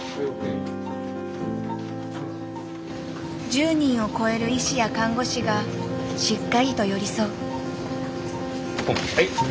１０人を超える医師や看護師がしっかりと寄り添う。